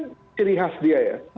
ini ciri khas dia ya